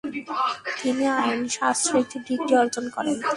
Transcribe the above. তিনি আইন শাস্ত্রে একটি ডিগ্রী অর্জন করেন।